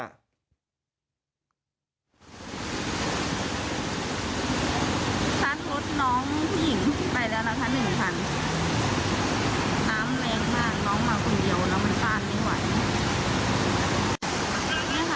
สารรถน้องผู้หญิงไปแล้วละครับ๑๐๐๐